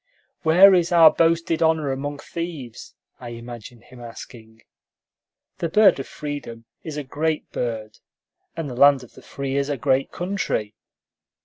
"Where is our boasted honor among thieves?" I imagined him asking. The bird of freedom is a great bird, and the land of the free is a great country.